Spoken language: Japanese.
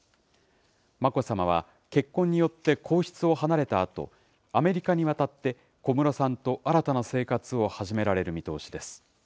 眞子さまは、結婚によって皇室を離れたあと、アメリカに渡って小室さんと新たな生活を始められる見通しです。